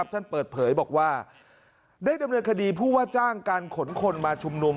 เปิดเผยบอกว่าได้ดำเนินคดีผู้ว่าจ้างการขนคนมาชุมนุม